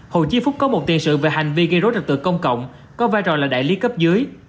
hồ chí phúc có một tiền sự về hành vi gây rối trật tự công cộng có vai trò là đại lý cấp dưới